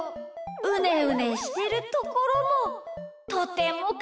うねうねしてるところもとてもかわいいです。